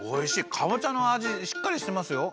かぼちゃのあじしっかりしてますよ。